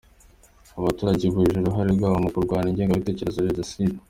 Abaturage bibukijwe uruhare rwabo mu kurwanya ingengabitekerezo ya Jenoside.